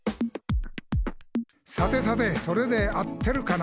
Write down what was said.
「さてさてそれで合ってるかな？」